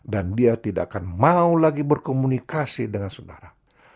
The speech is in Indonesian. dan dia tidak akan mau lagi berkomunikasi dengan saudara